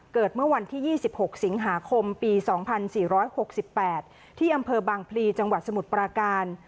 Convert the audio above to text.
เกิดเมื่อวันที่๒๖สิงหาคมปี๒๔๖๘ที่อำเภอบางพลีจังหวัดสมุทรปราการ